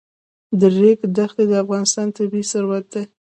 د ریګ دښتې د افغانستان طبعي ثروت دی.